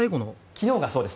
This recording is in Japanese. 昨日がそうです。